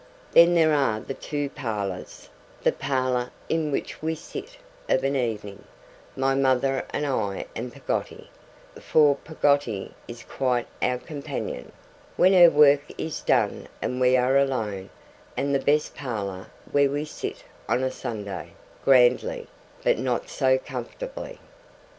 Then there are the two parlours: the parlour in which we sit of an evening, my mother and I and Peggotty for Peggotty is quite our companion, when her work is done and we are alone and the best parlour where we sit on a Sunday; grandly, but not so comfortably.